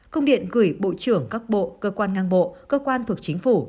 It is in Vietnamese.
công điện gửi bộ trưởng các bộ cơ quan ngang bộ cơ quan thuộc chính phủ